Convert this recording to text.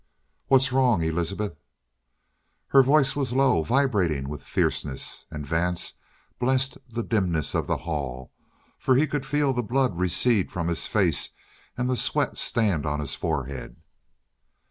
"What's wrong, Elizabeth?" Her voice was low, vibrating with fierceness. And Vance blessed the dimness of the hall, for he could feel the blood recede from his face and the sweat stand on his forehead.